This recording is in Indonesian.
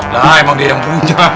lah emang dia yang punya